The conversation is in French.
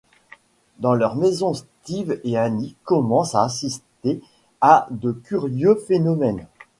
Dans leur maison Steve et Annie commencent à assister à de curieux phénomènes.